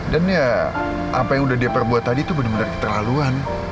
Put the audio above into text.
dan ya apa yang udah dia perbuat tadi itu bener bener keterlaluan